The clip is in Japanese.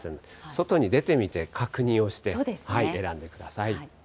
外に出てみて、確認をして選んでください。